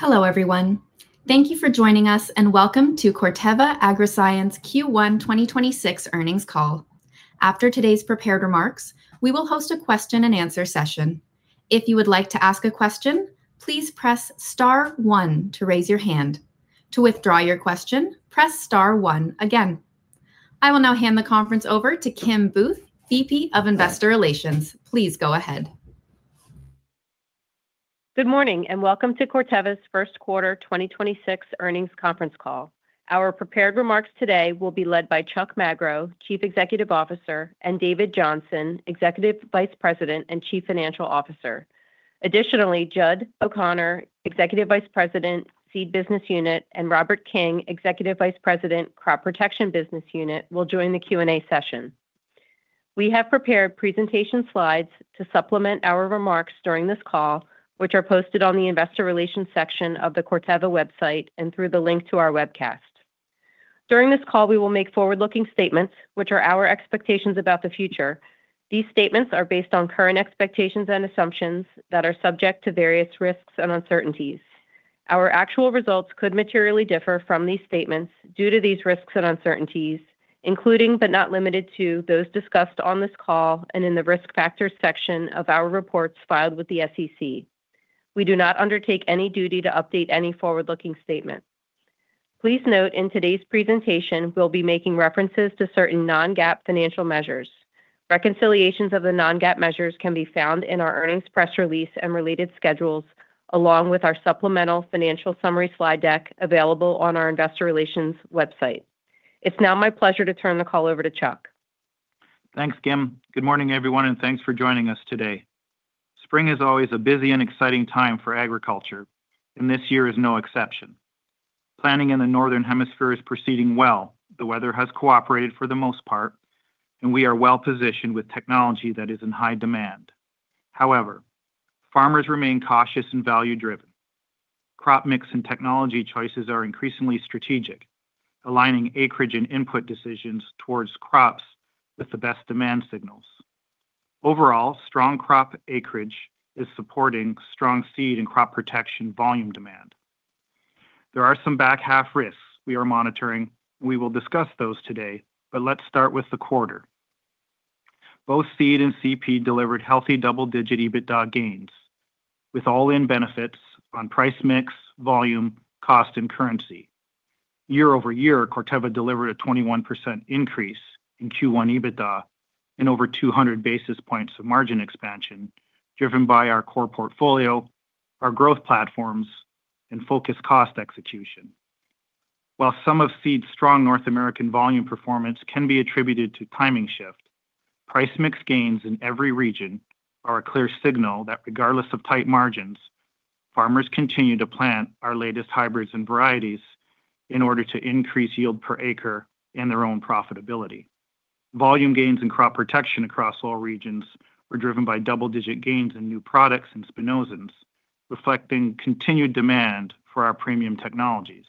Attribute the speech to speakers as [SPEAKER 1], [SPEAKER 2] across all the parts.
[SPEAKER 1] Hello, everyone. Thank you for joining us and welcome to Corteva Agriscience Q1 2026 earnings call. After today's prepared remarks, we will host a question and answer session. I will now hand the conference over to Kim Booth, VP of Investor Relations. Please go ahead.
[SPEAKER 2] Good morning, and welcome to Corteva's first quarter 2026 earnings conference call. Our prepared remarks today will be led by Chuck Magro, Chief Executive Officer, and David Johnson, Executive Vice President and Chief Financial Officer. Additionally, Judd O'Connor, Executive Vice President, Seed Business Unit, and Robert King, Executive Vice President, Crop Protection Business Unit, will join the Q&A session. We have prepared presentation slides to supplement our remarks during this call, which are posted on the investor relations section of the Corteva website and through the link to our webcast. During this call, we will make forward-looking statements, which are our expectations about the future. These statements are based on current expectations and assumptions that are subject to various risks and uncertainties. Our actual results could materially differ from these statements due to these risks and uncertainties, including, but not limited to, those discussed on this call and in the Risk Factors section of our reports filed with the SEC. We do not undertake any duty to update any forward-looking statement. Please note in today's presentation, we'll be making references to certain non-GAAP financial measures. Reconciliations of the non-GAAP measures can be found in our earnings press release and related schedules, along with our supplemental financial summary slide deck available on our investor relations website. It's now my pleasure to turn the call over to Chuck.
[SPEAKER 3] Thanks, Kim. Good morning, everyone, and thanks for joining us today. Spring is always a busy and exciting time for agriculture, and this year is no exception. Planting in the Northern Hemisphere is proceeding well. The weather has cooperated for the most part, and we are well-positioned with technology that is in high demand. However, farmers remain cautious and value-driven. Crop mix and technology choices are increasingly strategic, aligning acreage and input decisions towards crops with the best demand signals. Overall, strong crop acreage is supporting strong Seed and Crop Protection volume demand. There are some back half risks we are monitoring. We will discuss those today, but let's start with the quarter. Both Seed and CP delivered healthy double-digit EBITDA gains with all-in benefits on price/mix, volume, cost, and currency. Year-over-year, Corteva delivered a 21% increase in Q1 EBITDA and over 200 basis points of margin expansion driven by our core portfolio, our growth platforms, and focused cost execution. While some of Seed's strong North American volume performance can be attributed to timing shift, price/mix gains in every region are a clear signal that regardless of tight margins, farmers continue to plant our latest hybrids and varieties in order to increase yield per acre and their own profitability. Volume gains in crop protection across all regions were driven by double-digit gains in new products and spinosyns, reflecting continued demand for our premium technologies.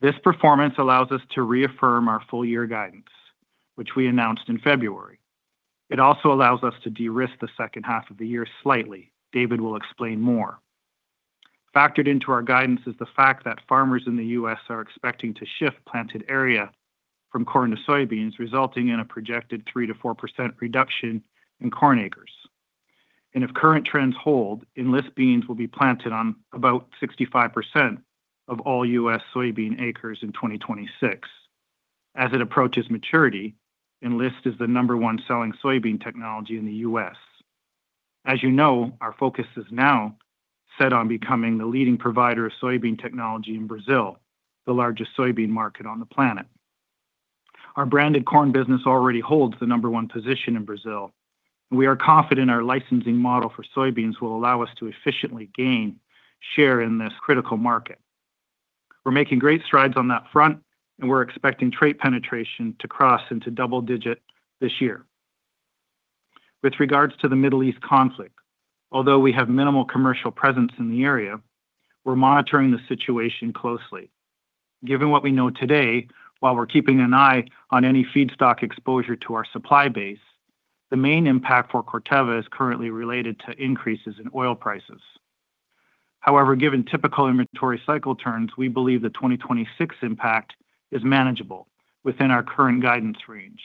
[SPEAKER 3] This performance allows us to reaffirm our full year guidance, which we announced in February. It also allows us to de-risk the second half of the year slightly. David will explain more. Factored into our guidance is the fact that farmers in the U.S. are expecting to shift planted area from corn to soybeans, resulting in a projected 3%-4% reduction in corn acres. If current trends hold, Enlist beans will be planted on about 65% of all U.S. soybean acres in 2026. As it approaches maturity, Enlist is the number one selling soybean technology in the U.S. As you know, our focus is now set on becoming the leading provider of soybean technology in Brazil, the largest soybean market on the planet. Our branded corn business already holds the number one position in Brazil. We are confident our licensing model for soybeans will allow us to efficiently gain share in this critical market. We're making great strides on that front, and we're expecting trait penetration to cross into double-digit this year. With regards to the Middle East conflict, although we have minimal commercial presence in the area, we're monitoring the situation closely. Given what we know today, while we're keeping an eye on any feedstock exposure to our supply base, the main impact for Corteva is currently related to increases in oil prices. However, given typical inventory cycle turns, we believe the 2026 impact is manageable within our current guidance range.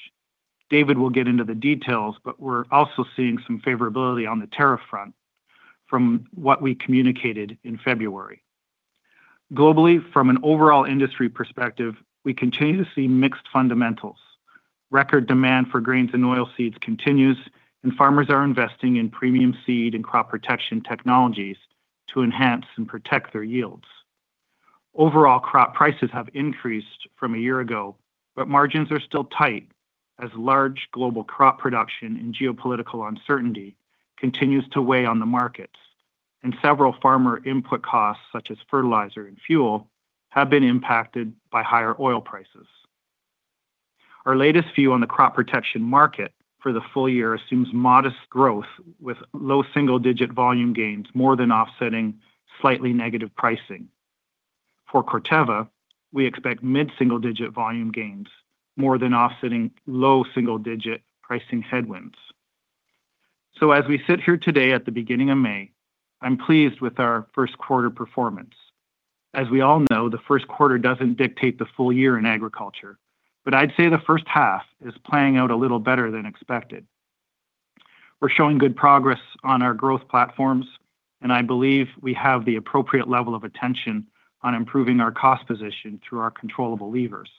[SPEAKER 3] David will get into the details, but we're also seeing some favorability on the tariff front from what we communicated in February. Globally, from an overall industry perspective, we continue to see mixed fundamentals. Record demand for grains and oilseeds continues, and farmers are investing in premium seed and crop protection technologies to enhance and protect their yields. Overall crop prices have increased from a year ago, but margins are still tight as large global crop production and geopolitical uncertainty continues to weigh on the markets. Several farmer input costs, such as fertilizer and fuel, have been impacted by higher oil prices. Our latest view on the crop protection market for the full year assumes modest growth with low single-digit volume gains more than offsetting slightly negative pricing. For Corteva, we expect mid-single-digit volume gains more than offsetting low-single-digit pricing headwinds. As we sit here today at the beginning of May, I'm pleased with our first quarter performance. As we all know, the first quarter doesn't dictate the full year in agriculture. I'd say the first half is playing out a little better than expected. We're showing good progress on our growth platforms, and I believe we have the appropriate level of attention on improving our cost position through our controllable levers.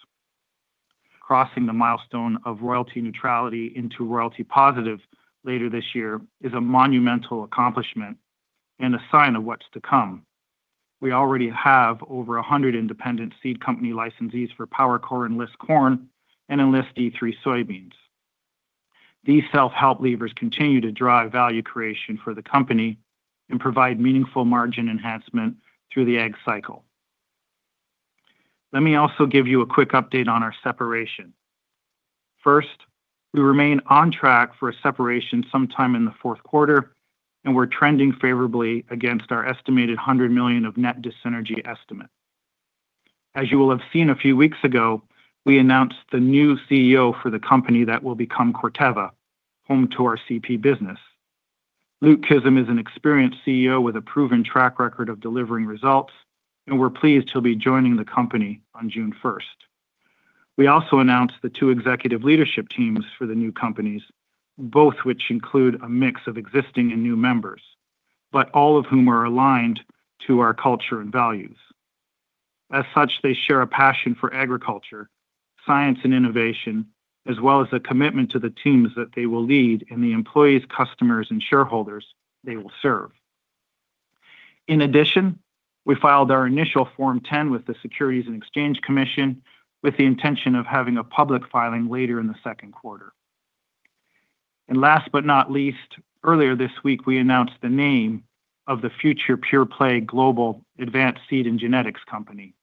[SPEAKER 3] Crossing the milestone of royalty neutrality into royalty positive later this year is a monumental accomplishment and a sign of what's to come. We already have over 100 independent seed company licensees for PowerCore Enlist corn and Enlist E3 soybeans. These self-help levers continue to drive value creation for the company and provide meaningful margin enhancement through the ag cycle. Let me also give you a quick update on our separation. First, we remain on track for a separation sometime in the fourth quarter, and we're trending favorably against our estimated $100 million of net dis-synergy estimate. You will have seen a few weeks ago, we announced the new CEO for the company that will become Corteva, home to our CP business. Luke Kissam is an experienced CEO with a proven track record of delivering results, and we're pleased he'll be joining the company on June 1st. We also announced the two executive leadership teams for the new companies, both which include a mix of existing and new members, but all of whom are aligned to our culture and values. They share a passion for agriculture, science and innovation, as well as a commitment to the teams that they will lead and the employees, customers, and shareholders they will serve. In addition, we filed our initial Form 10 with the Securities and Exchange Commission with the intention of having a public filing later in the second quarter. Last but not least, earlier this week, we announced the name of the future pure-play global advanced seed and genetics company.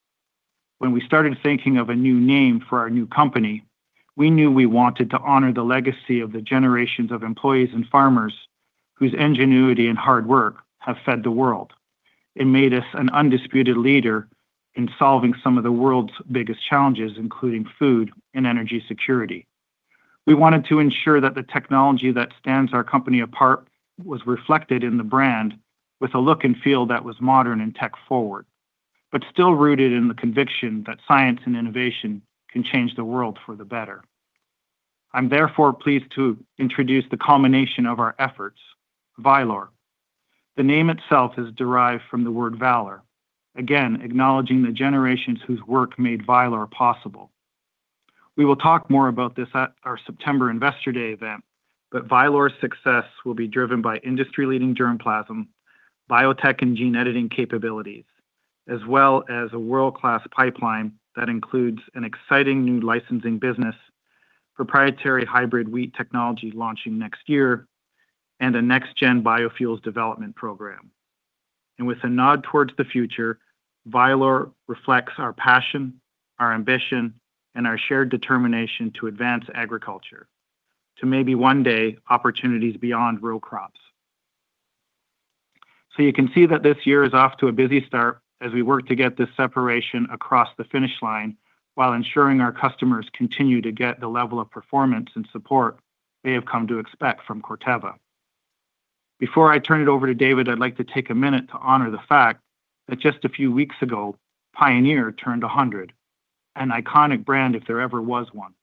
[SPEAKER 3] When we started thinking of a new name for our new company, we knew we wanted to honor the legacy of the generations of employees and farmers whose ingenuity and hard work have fed the world and made us an undisputed leader in solving some of the world's biggest challenges, including food and energy security. We wanted to ensure that the technology that stands our company apart was reflected in the brand with a look and feel that was modern and tech forward, but still rooted in the conviction that science and innovation can change the world for the better. I'm therefore pleased to introduce the combination of our efforts, Vylor. The name itself is derived from the word valor. Again, acknowledging the generations whose work made Vylor possible. We will talk more about this at our September Investor Day event, Vylor's success will be driven by industry-leading germplasm, biotech and gene editing capabilities, as well as a world-class pipeline that includes an exciting new licensing business, proprietary hybrid wheat technology launching next year, and a next-gen biofuels development program. With a nod towards the future, Vylor reflects our passion, our ambition, and our shared determination to advance agriculture to maybe one day opportunities beyond row crops. You can see that this year is off to a busy start as we work to get this separation across the finish line while ensuring our customers continue to get the level of performance and support they have come to expect from Corteva. Before I turn it over to David Johnson, I'd like to take one minute to honor the fact that just a few weeks ago, Pioneer turned 100, an iconic brand if there ever was one.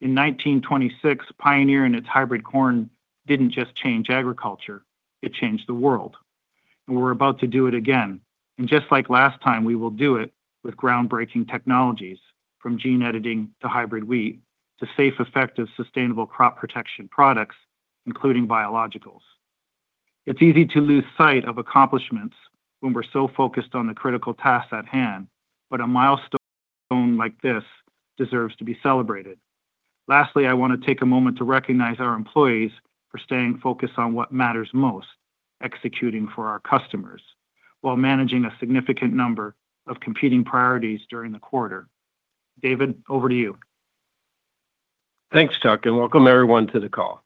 [SPEAKER 3] In 1926, Pioneer and its hybrid corn didn't just change agriculture, it changed the world. We're about to do it again. Just like last time, we will do it with groundbreaking technologies from gene editing to hybrid wheat to safe, effective, sustainable crop protection products, including biologicals. It's easy to lose sight of accomplishments when we're so focused on the critical tasks at hand, but a milestone like this deserves to be celebrated. Lastly, I wanna take a moment to recognize our employees for staying focused on what matters most, executing for our customers while managing a significant number of competing priorities during the quarter. David, over to you.
[SPEAKER 4] Thanks, Chuck, and welcome everyone to the call.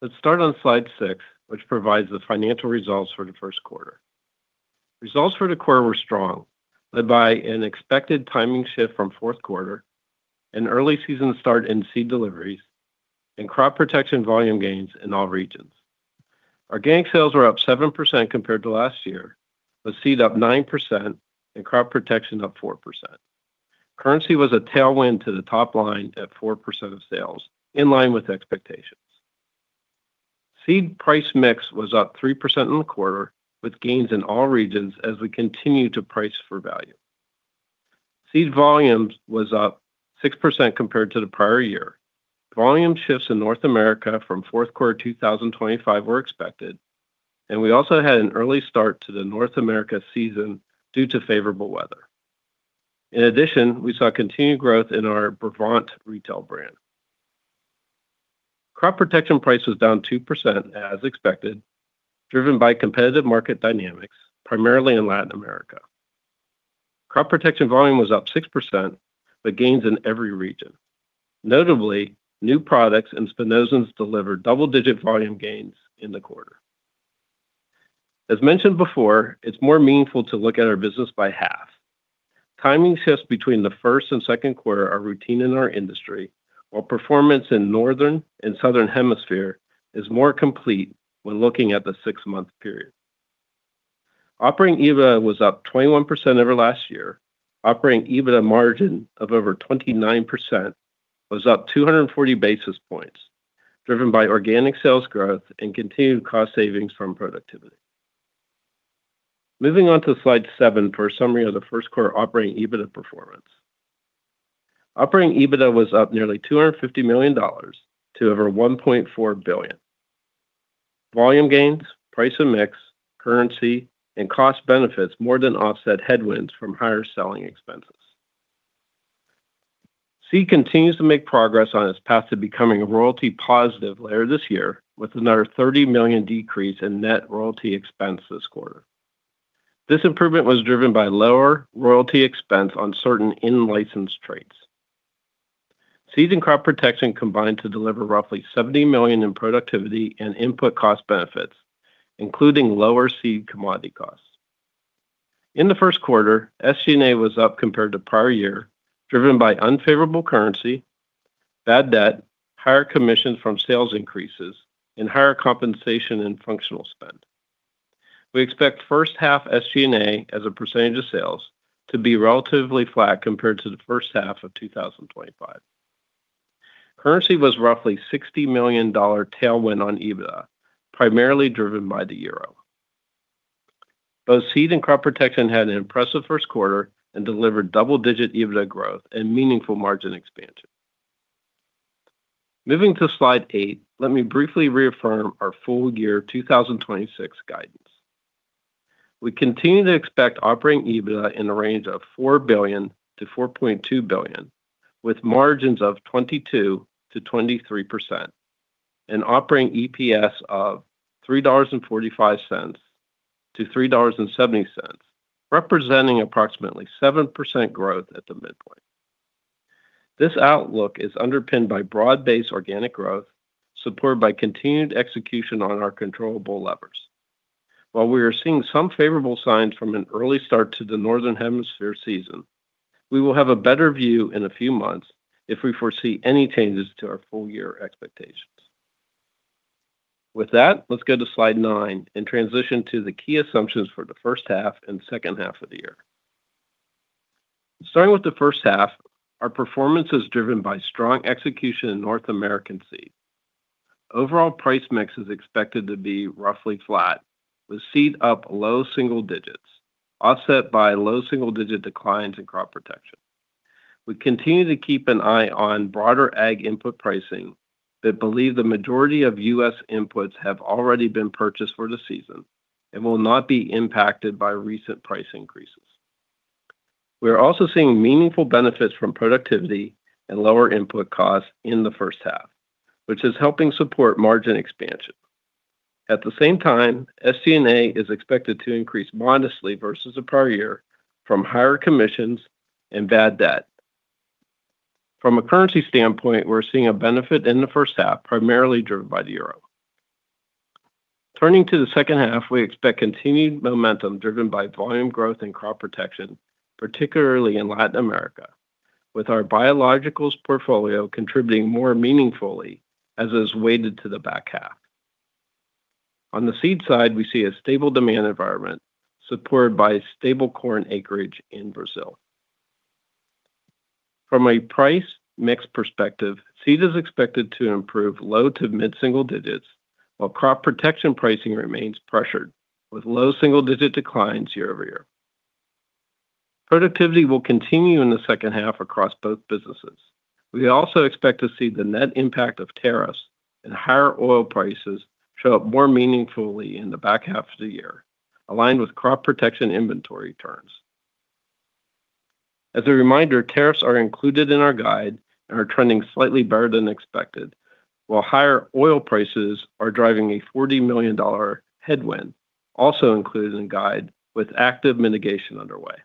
[SPEAKER 4] Let's start on slide six, which provides the financial results for the first quarter. Results for the quarter were strong, led by an expected timing shift from fourth quarter and early season start in Seed deliveries and Crop Protection volume gains in all regions. Our organic sales were up 7% compared to last year, with Seed up 9% and Crop Protection up 4%. Currency was a tailwind to the top line at 4% of sales in line with expectations. Seed price/mix was up 3% in the quarter, with gains in all regions as we continue to price for value. Seed volumes was up 6% compared to the prior year. Volume shifts in North America from fourth quarter 2025 were expected, and we also had an early start to the North America season due to favorable weather. In addition, we saw continued growth in our Brevant retail brand. Crop Protection price was down 2% as expected, driven by competitive market dynamics, primarily in Latin America. Crop Protection volume was up 6%, but gains in every region. Notably, new products and spinosyns delivered double-digit volume gains in the quarter. As mentioned before, it's more meaningful to look at our business by half. Timing shifts between the first and second quarter are routine in our industry, while performance in Northern and Southern Hemisphere is more complete when looking at the six-month period. Operating EBITDA was up 21% over last year. Operating EBITDA margin of over 29% was up 240 basis points, driven by organic sales growth and continued cost savings from productivity. Moving on to slide seven for a summary of the first quarter operating EBITDA performance. Operating EBITDA was up nearly $250 million to over $1.4 billion. Volume gains, price and mix, currency, and cost benefits more than offset headwinds from higher selling expenses. Seed continues to make progress on its path to becoming a royalty positive later this year with another $30 million decrease in net royalty expense this quarter. This improvement was driven by lower royalty expense on certain in-licensed traits. Seed and Crop Protection combined to deliver roughly $70 million in productivity and input cost benefits, including lower seed commodity costs. In the first quarter, SG&A was up compared to prior year, driven by unfavorable currency, bad debt, higher commissions from sales increases, and higher compensation and functional spend. We expect first half SG&A as a percentage of sales to be relatively flat compared to the first half of 2025. Currency was roughly $60 million tailwind on EBITDA, primarily driven by the euro. Both Seed and Crop Protection had an impressive first quarter and delivered double-digit EBITDA growth and meaningful margin expansion. Moving to slide eight, let me briefly reaffirm our full year 2026 guidance. We continue to expect operating EBITDA in the range of $4 billion-$4.2 billion, with margins of 22%-23% and operating EPS of $3.45-$3.70, representing approximately 7% growth at the midpoint. This outlook is underpinned by broad-based organic growth, supported by continued execution on our controllable levers. While we are seeing some favorable signs from an early start to the Northern Hemisphere season, we will have a better view in a few months if we foresee any changes to our full year expectations. With that, let's go to slide nine and transition to the key assumptions for the first half and second half of the year. Starting with the first half, our performance is driven by strong execution in North American seed. Overall price/mix is expected to be roughly flat, with Seed up low-single-digits, offset by low-single-digit declines in Crop Protection. We continue to keep an eye on broader ag input pricing but believe the majority of U.S. inputs have already been purchased for the season and will not be impacted by recent price increases. We are also seeing meaningful benefits from productivity and lower input costs in the first half, which is helping support margin expansion. At the same time, SG&A is expected to increase modestly versus the prior year from higher commissions and bad debt. From a currency standpoint, we are seeing a benefit in the first half, primarily driven by the euro. Turning to the second half, we expect continued momentum driven by volume growth in Crop Protection, particularly in Latin America, with our Biologicals portfolio contributing more meaningfully as is weighted to the back half. On the Seed side, we see a stable demand environment supported by stable corn acreage in Brazil. From a price/mix perspective, Seed is expected to improve low to mid-single digits, while Crop Protection pricing remains pressured with low single-digit declines year-over-year. Productivity will continue in the second half across both businesses. We also expect to see the net impact of tariffs and higher oil prices show up more meaningfully in the back half of the year, aligned with Crop Protection inventory turns. As a reminder, tariffs are included in our guide and are trending slightly better than expected, while higher oil prices are driving a $40 million headwind, also included in guide with active mitigation underway.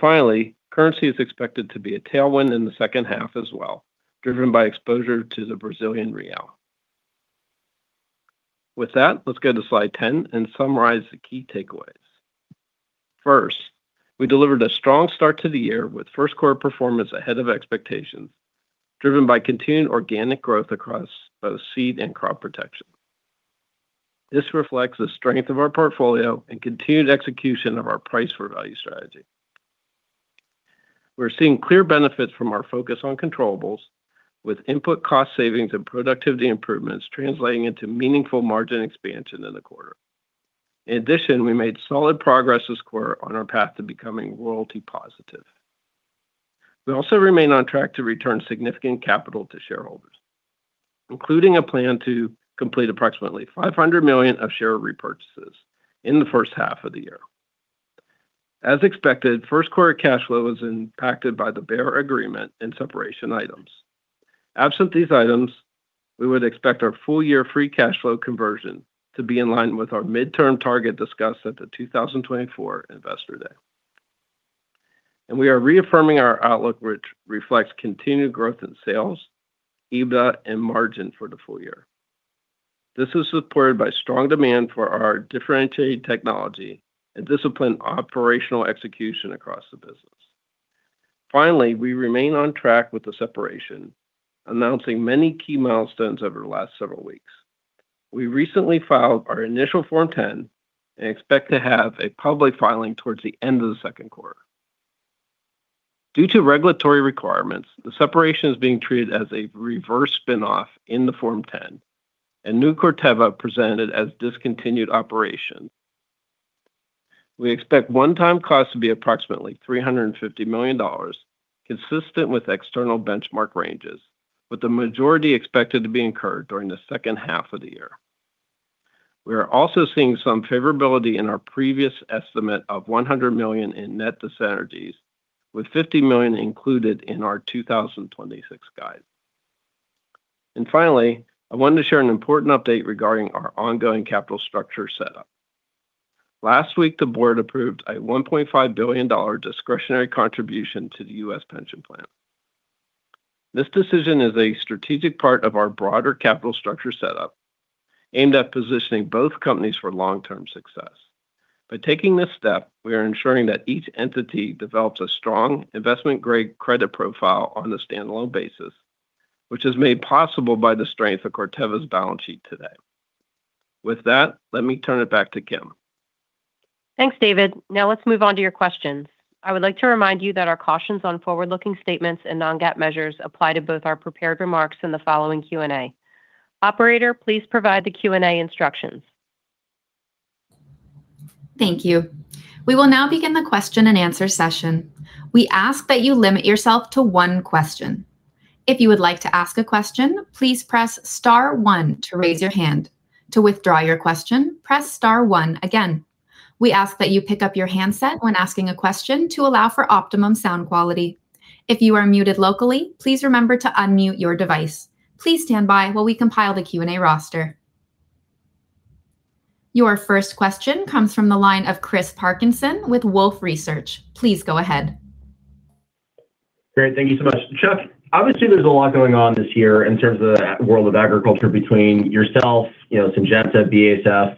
[SPEAKER 4] Finally, currency is expected to be a tailwind in the second half as well, driven by exposure to the Brazilian Real. With that, let's go to slide 10 and summarize the key takeaways. First, we delivered a strong start to the year with first quarter performance ahead of expectations, driven by continued organic growth across both Seed and Crop Protection. This reflects the strength of our portfolio and continued execution of our price for value strategy. We're seeing clear benefits from our focus on controllables with input cost savings and productivity improvements translating into meaningful margin expansion in the quarter. In addition, we made solid progress this quarter on our path to becoming royalty positive. We also remain on track to return significant capital to shareholders, including a plan to complete approximately $500 million of share repurchases in the first half of the year. As expected, 1st quarter cash flow was impacted by the Bayer Agreement and separation items. Absent these items, we would expect our full-year free cash flow conversion to be in line with our midterm target discussed at the 2024 Investor Day. We are reaffirming our outlook which reflects continued growth in sales, EBITDA, and margin for the full year. This is supported by strong demand for our differentiated technology and disciplined operational execution across the business. Finally, we remain on track with the separation, announcing many key milestones over the last several weeks. We recently filed our initial Form 10 and expect to have a public filing towards the end of the second quarter. Due to regulatory requirements, the separation is being treated as a reverse spin-off in the Form 10 and new Corteva presented as discontinued operation. We expect one-time costs to be approximately $350 million, consistent with external benchmark ranges, with the majority expected to be incurred during the second half of the year. We are also seeing some favorability in our previous estimate of $100 million in net dis-synergies, with $50 million included in our 2026 guide. Finally, I wanted to share an important update regarding our ongoing capital structure setup. Last week, the board approved a $1.5 billion discretionary contribution to the U.S. pension plan. This decision is a strategic part of our broader capital structure setup aimed at positioning both companies for long-term success. By taking this step, we are ensuring that each entity develops a strong investment-grade credit profile on a standalone basis, which is made possible by the strength of Corteva's balance sheet today. With that, let me turn it back to Kim.
[SPEAKER 2] Thanks, David. Now let's move on to your questions. I would like to remind you that our cautions on forward-looking statements and non-GAAP measures apply to both our prepared remarks and the following Q&A. Operator, please provide the Q&A instructions.
[SPEAKER 1] Thank you. We will now begin the question-and-answer session. We ask that you limit yourself to one question. If you would like to ask a question, please press star one to raise your hand. To withdraw your question, press star one again. We ask that you pick up your handset when asking a question to allow for optimum sound quality. If you are muted locally, please remember to unmute your device. Please stand by while we compile the Q&A roster. Your first question comes from the line of Chris Parkinson with Wolfe Research. Please go ahead.
[SPEAKER 5] Great. Thank you so much. Chuck, obviously, there's a lot going on this year in terms of the world of agriculture between yourself, you know, Syngenta, BASF.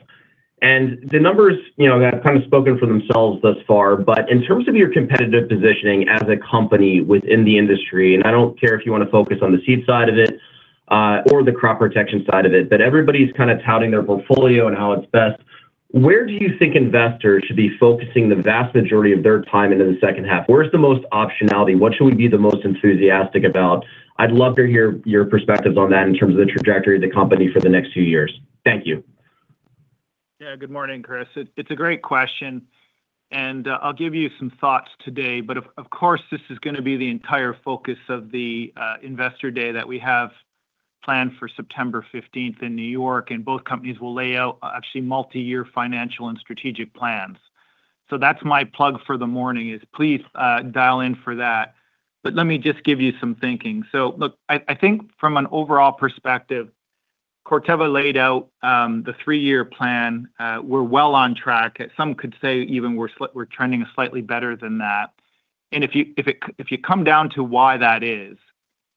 [SPEAKER 5] The numbers, you know, have kind of spoken for themselves thus far. In terms of your competitive positioning as a company within the industry, and I don't care if you wanna focus on the Seed side of it, or the Crop Protection side of it, but everybody's kind of touting their portfolio and how it's best. Where do you think investors should be focusing the vast majority of their time into the second half? Where's the most optionality? What should we be the most enthusiastic about? I'd love to hear your perspectives on that in terms of the trajectory of the company for the next few years. Thank you.
[SPEAKER 3] Yeah. Good morning, Chris. It's a great question. I'll give you some thoughts today. Of course, this is gonna be the entire focus of the Investor Day that we have planned for September 15th in New York. Both companies will lay out actually multi-year financial and strategic plans. That's my plug for the morning is please dial in for that. Let me just give you some thinking. Look, I think from an overall perspective, Corteva laid out the three-year plan. We're well on track. Some could say even we're trending slightly better than that. If you come down to why that is,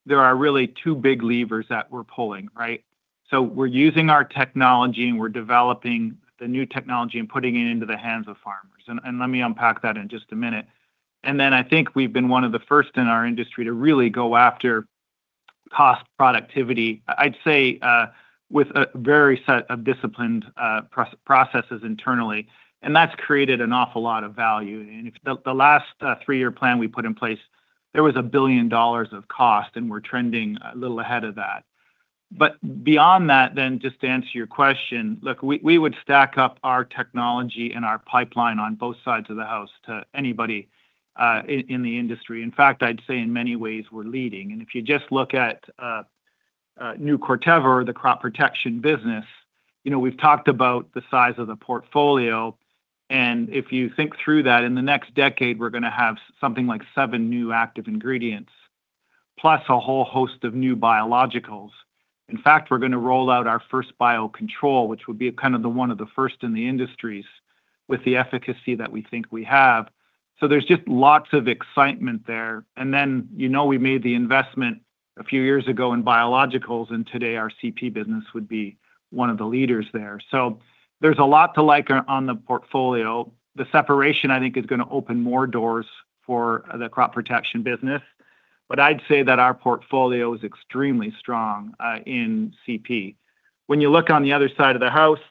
[SPEAKER 3] there are really two big levers that we're pulling, right? We're using our technology and we're developing the new technology and putting it into the hands of farmers. Let me unpack that in just a minute. Then I think we've been one of the first in our industry to really go after cost productivity, I'd say, with a very set of disciplined, processes internally, and that's created an awful lot of value. If the last, three-year plan we put in place, there was $1 billion of cost, and we're trending a little ahead of that. Beyond that, then just to answer your question, look, we would stack up our technology and our pipeline on both sides of the house to anybody, in the industry. In fact, I'd say in many ways we're leading. If you just look at new Corteva, the Crop Protection business, you know, we've talked about the size of the portfolio. If you think through that, in the next decade, we're gonna have something like seven new active ingredients, plus a whole host of new biologicals. In fact, we're gonna roll out our first biocontrol, which would be kind of the one of the first in the industries with the efficacy that we think we have. There's just lots of excitement there. You know, we made the investment a few years ago in biologicals, and today our CP business would be one of the leaders there. There's a lot to like on the portfolio. The separation, I think, is gonna open more doors for the Crop Protection business. I'd say that our portfolio is extremely strong in CP. When you look on the other side of the house,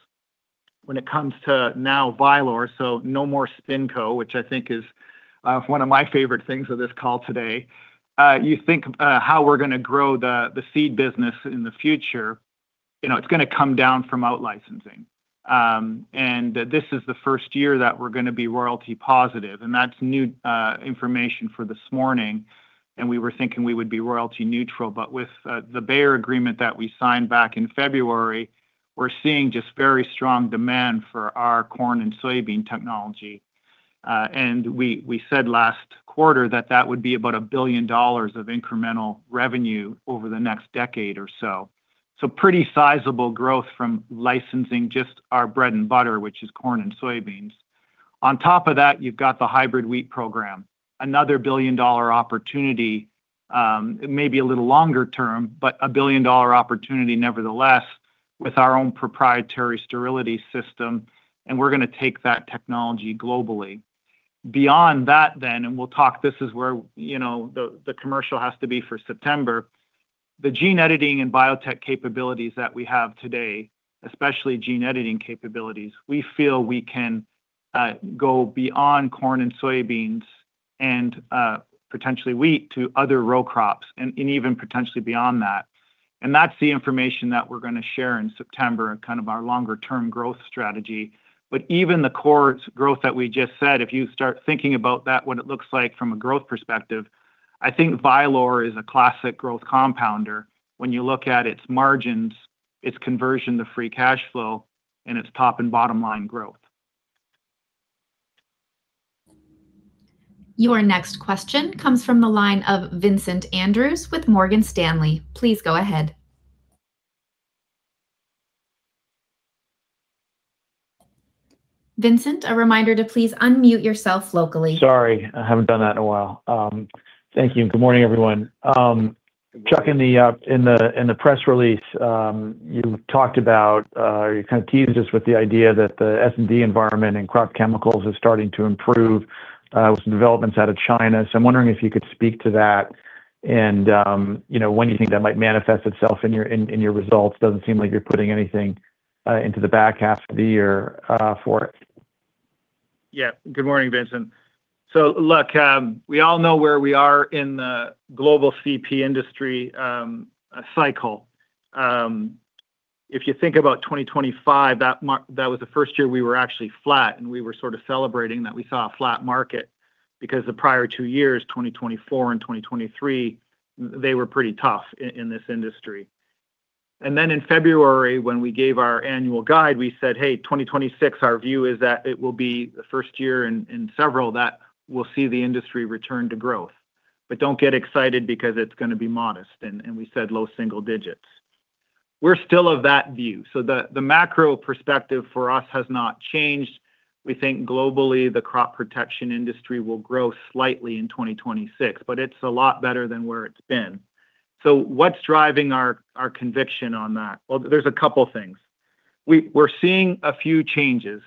[SPEAKER 3] when it comes to now Vylor, so no more SpinCo, which I think is one of my favorite things of this call today. You think how we're gonna grow the Seed business in the future. You know, it's gonna come down from out licensing. This is the first year that we're gonna be royalty positive, and that's new information for this morning. We were thinking we would be royalty neutral. With the Bayer agreement that we signed back in February, we're seeing just very strong demand for our corn and soybean technology. We said last quarter that that would be about $1 billion of incremental revenue over the next decade or so. Pretty sizable growth from licensing just our bread and butter, which is corn and soybeans. On top of that, you've got the hybrid wheat program, another $1 billion opportunity. It may be a little longer term, but a $1 billion opportunity nevertheless, with our own proprietary sterility system, and we're going to take that technology globally. Beyond that, we'll talk. This is where, you know, the commercial has to be for September. The gene editing and biotech capabilities that we have today, especially gene editing capabilities, we feel we can go beyond corn and soybeans and potentially wheat to other row crops and even potentially beyond that. That's the information that we're gonna share in September and kind of our longer term growth strategy. Even the core growth that we just said, if you start thinking about that, what it looks like from a growth perspective, I think Vylor is a classic growth compounder when you look at its margins, its conversion to free cash flow and its top and bottom line growth.
[SPEAKER 1] Your next question comes from the line of Vincent Andrews with Morgan Stanley. Please go ahead. Vincent, a reminder to please unmute yourself locally.
[SPEAKER 6] Sorry, I haven't done that in a while. Thank you and good morning, everyone. Chuck, in the press release, you talked about, you kind of teased us with the idea that the S&D environment and crop chemicals is starting to improve with some developments out of China. I'm wondering if you could speak to that and, you know, when you think that might manifest itself in your results. Doesn't seem like you're putting anything into the back half of the year for it.
[SPEAKER 3] Good morning, Vincent. Look, we all know where we are in the global CP industry cycle. If you think about 2025, that was the first year we were actually flat and we were sort of celebrating that we saw a flat market because the prior two years, 2024 and 2023, they were pretty tough in this industry. In February, when we gave our annual guide, we said, "Hey, 2026, our view is that it will be the first year in several that we'll see the industry return to growth. Don't get excited because it's gonna be modest," and we said low-single-digits. We're still of that view. The macro perspective for us has not changed. We think globally, the crop protection industry will grow slightly in 2026, but it's a lot better than where it's been. What's driving our conviction on that? There's a couple things. We're seeing a few changes.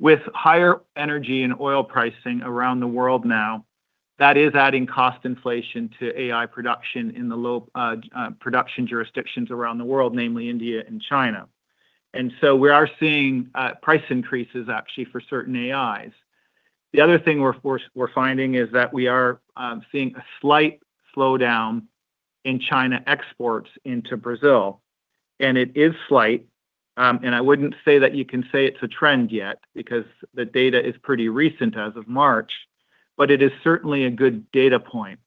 [SPEAKER 3] With higher energy and oil pricing around the world now, that is adding cost inflation to AI production in the low production jurisdictions around the world, namely India and China. We are seeing price increases actually for certain AIs. The other thing we're finding is that we are seeing a slight slowdown in China exports into Brazil, and it is slight. I wouldn't say that you can say it's a trend yet because the data is pretty recent as of March, but it is certainly a good data point.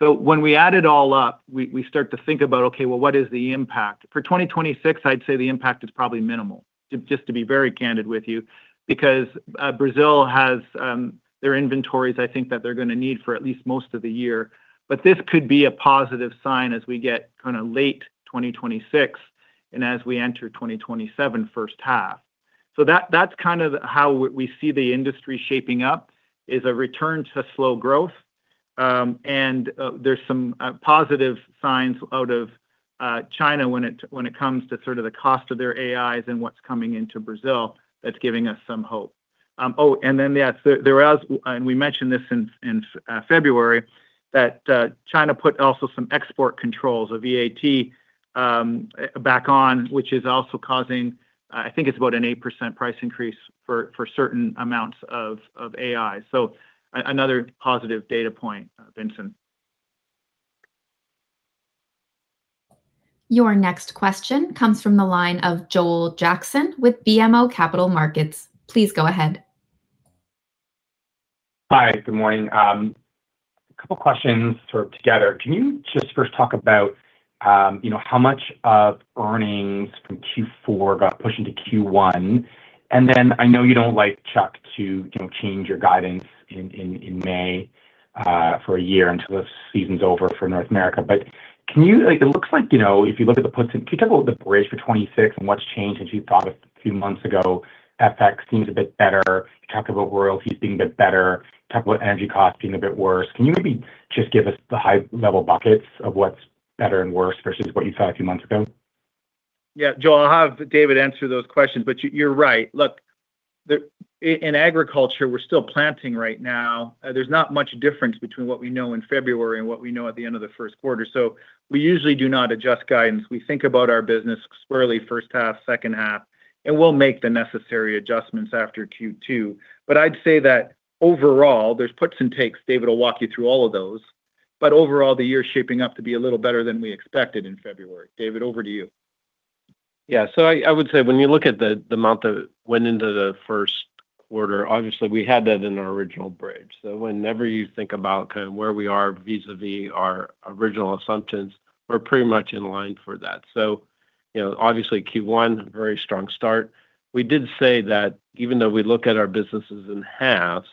[SPEAKER 3] When we add it all up, we start to think about what is the impact? For 2026, I'd say the impact is probably minimal, just to be very candid with you because Brazil has their inventories, I think, that they're gonna need for at least most of the year. This could be a positive sign as we get kinda late 2026 and as we enter 2027 first half. That's kind of how we see the industry shaping up, is a return to slow growth, and there's some positive signs out of China when it comes to sort of the cost of their AIs and what's coming into Brazil that's giving us some hope. Yes, there was. We mentioned this in February, that China put also some export controls of VAT back on, which is also causing, I think it's about an 8% price increase for certain amounts of AI. Another positive data point, Vincent.
[SPEAKER 1] Your next question comes from the line of Joel Jackson with BMO Capital Markets. Please go ahead.
[SPEAKER 7] Hi. Good morning. Couple questions sort of together. Can you just first talk about, you know, how much of earnings from Q4 got pushed into Q1? I know you don't like, Chuck, to, you know, change your guidance in, in May, for a year until the season's over for North America. It looks like, you know, if you look at the puts and can you talk about the bridge for 2026 and what's changed since you thought a few months ago? FX seems a bit better. Talk about royalties being a bit better. Talk about energy costs being a bit worse. Can you maybe just give us the high-level buckets of what's better and worse versus what you thought a few months ago?
[SPEAKER 3] Yeah. Joel, I'll have David answer those questions. You're right. Look, in agriculture, we're still planting right now. There's not much difference between what we know in February and what we know at the end of the first quarter. We usually do not adjust guidance. We think about our business squarely first half, second half, and we'll make the necessary adjustments after Q2. I'd say that overall, there's puts and takes. David will walk you through all of those. Overall, the year's shaping up to be a little better than we expected in February. David, over to you.
[SPEAKER 4] Yeah. I would say when you look at the amount that went into the first quarter, obviously we had that in our original bridge. Whenever you think about kind of where we are vis-a-vis our original assumptions, we are pretty much in line for that. You know, obviously Q1, very strong start. We did say that even though we look at our businesses in halves.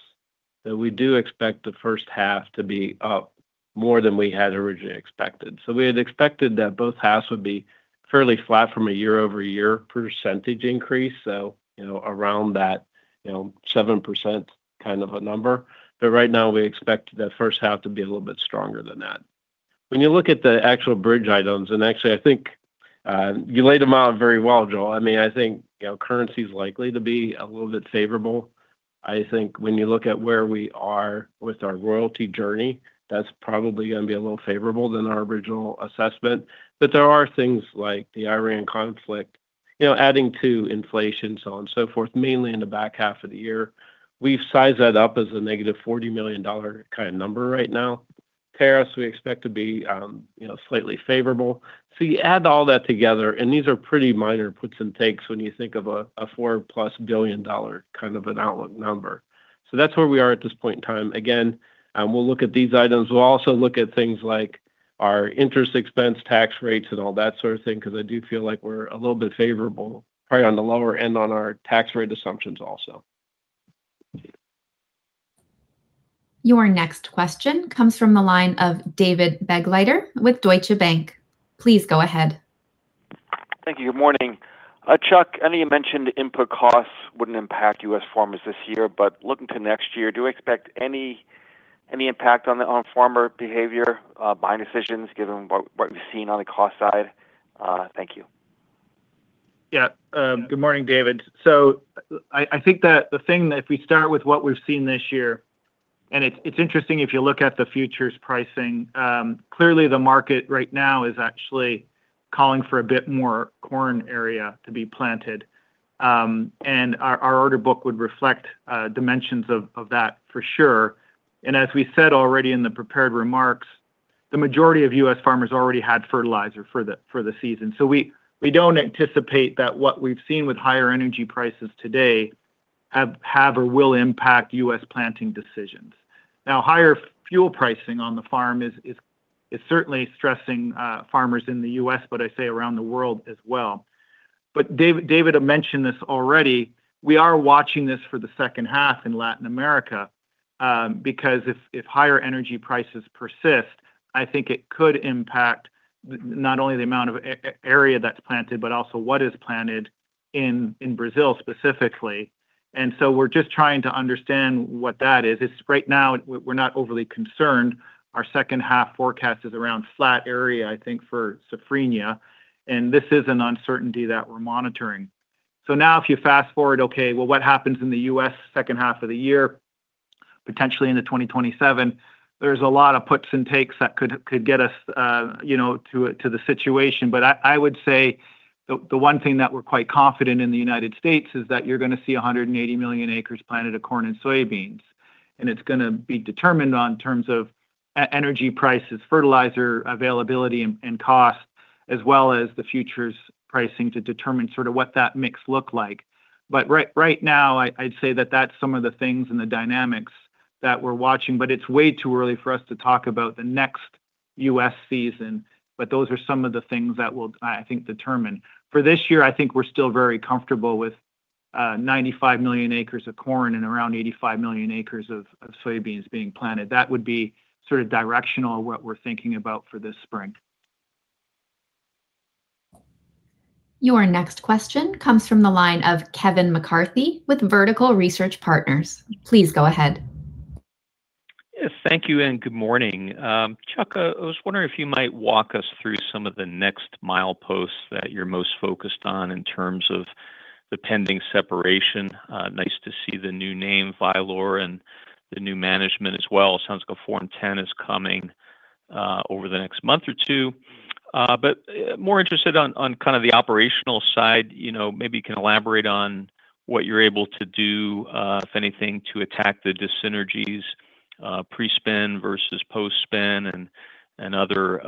[SPEAKER 4] That we do expect the first half to be up more than we had originally expected. We had expected that both halves would be fairly flat from a year-over-year percentage increase, you know, around that, you know, 7% kind of a number. Right now we expect the first half to be a little bit stronger than that. When you look at the actual bridge items, and actually I think, you laid them out very well, Joel. I mean, I think, you know, currency's likely to be a little bit favorable. I think when you look at where we are with our royalty journey, that's probably gonna be a little favorable than our original assessment. There are things like the Iran conflict, you know, adding to inflation, so on and so forth, mainly in the back half of the year. We've sized that up as a $ -40 million kind of number right now. Tariffs we expect to be, you know, slightly favorable. You add all that together, and these are pretty minor puts and takes when you think of a $4+ billion kind of an outlook number. That's where we are at this point in time. Again, we'll look at these items. We'll also look at things like our interest expense, tax rates and all that sort of thing, because I do feel like we're a little bit favorable probably on the lower end on our tax rate assumptions also.
[SPEAKER 1] Your next question comes from the line of David Begleiter with Deutsche Bank. Please go ahead.
[SPEAKER 8] Thank you. Good morning. Chuck, I know you mentioned input costs wouldn't impact U.S. farmers this year, looking to next year, do you expect any impact on farmer behavior, buying decisions given what we've seen on the cost side? Thank you.
[SPEAKER 3] Yeah. Good morning, David. I think that the thing that if we start with what we've seen this year, it's interesting if you look at the future's pricing. Clearly the market right now is actually calling for a bit more corn area to be planted. Our order book would reflect dimensions of that for sure. As we said already in the prepared remarks, the majority of U.S. farmers already had fertilizer for the season. We don't anticipate that what we've seen with higher energy prices today have or will impact U.S. planting decisions. Now, higher fuel pricing on the farm is certainly stressing farmers in the U.S., I say around the world as well. David had mentioned this already. We are watching this for the second half in Latin America, because if higher energy prices persist, I think it could impact the, not only the amount of area that's planted, but also what is planted in Brazil specifically. We're just trying to understand what that is. It's right now we're not overly concerned. Our second half forecast is around flat area, I think, for Safrinha, and this is an uncertainty that we're monitoring. If you fast-forward, okay, well, what happens in the U.S. second half of the year, potentially into 2027, there's a lot of puts and takes that could get us, you know, to the situation. I would say the one thing that we're quite confident in the U.S. is that you're going to see 180,000,000 acres planted of corn and soybeans, and it's going to be determined on terms of energy prices, fertilizer availability and cost, as well as the futures pricing to determine sort of what that mix look like. Right now, I'd say that that's some of the things and the dynamics that we're watching, it's way too early for us to talk about the next U.S. season. Those are some of the things that will, I think, determine. For this year, I think we're still very comfortable with 95,000,000 acres of corn and around 85,000,000 acres of soybeans being planted. That would be sort of directional in what we're thinking about for this spring.
[SPEAKER 1] Your next question comes from the line of Kevin McCarthy with Vertical Research Partners. Please go ahead.
[SPEAKER 9] Yes, thank you, and good morning. Chuck, I was wondering if you might walk us through some of the next mileposts that you're most focused on in terms of the pending separation. Nice to see the new name, Vylor, and the new management as well. It sounds like a Form 10 is coming over the next month or two. More interested on kind of the operational side. You know, maybe you can elaborate on what you're able to do, if anything, to attack the dis-synergies, pre-spin versus post-spin and other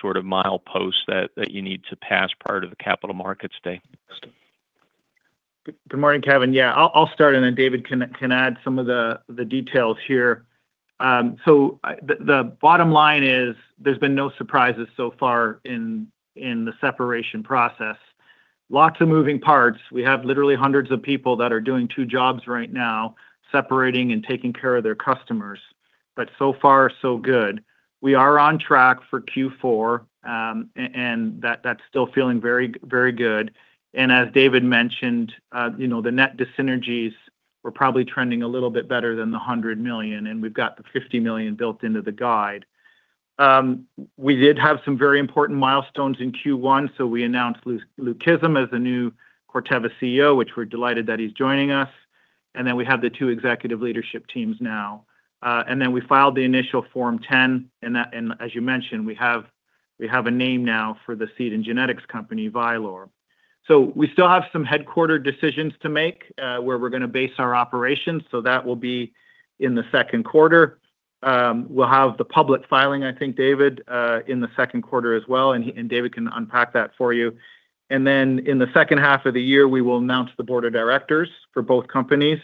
[SPEAKER 9] sort of mileposts that you need to pass prior to the capital markets date.
[SPEAKER 3] Good morning, Kevin. Yeah, I'll start and then David can add some of the details here. The bottom line is there's been no surprises so far in the separation process. Lots of moving parts. We have literally hundreds of people that are doing two jobs right now, separating and taking care of their customers. So far so good. We are on track for Q4, and that's still feeling very, very good. As David mentioned, you know, the net dis-synergies were probably trending a little bit better than the $100 million, and we've got the $50 million built into the guide. We did have some very important milestones in Q1. We announced Luke Kissam as the new Corteva CEO, which we're delighted that he's joining us. We have the two executive leadership teams now. We filed the initial Form 10. As you mentioned, we have a name now for the seed and genetics company, Vylor. We still have some headquarter decisions to make, where we're gonna base our operations. That will be in the second quarter. We'll have the public filing, I think, David, in the second quarter as well, and he and David can unpack that for you. In the second half of the year, we will announce the board of directors for both companies,